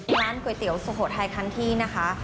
ร้านก๋วยเตี๋ยวสุโขทัยคันที่นะคะ